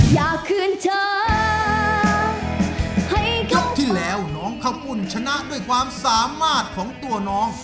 อยากคืนเธอให้ยกที่แล้วน้องข้าวปุ้นชนะด้วยความสามารถของตัวน้อง